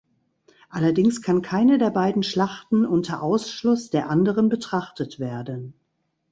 Allerdings kann keine der beiden Schlachten unter Ausschluss der anderen betrachtet werden.